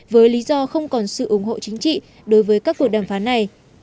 với lý do không còn sự ủng hộ chính trị đối với các cuộc đàm phán này